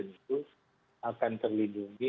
itu akan terlindungi